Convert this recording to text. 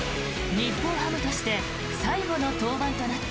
日本ハムとして最後の登板となった